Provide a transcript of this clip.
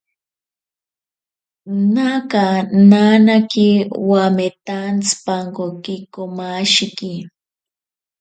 Naka nanake wametantsipankoki komashiki.